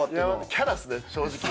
キャラっすね、正直。